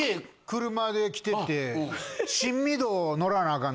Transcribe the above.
車で来てて。